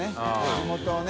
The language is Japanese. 地元をね。